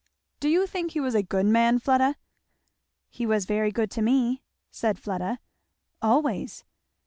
"Do you think he was a good man, Fleda?" "He was very good to me," said Fleda, "always.